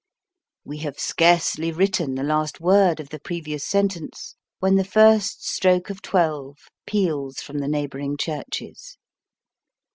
We have scarcely written the last word of the previous sentence, when the first stroke of twelve, peals from the neighbouring churches.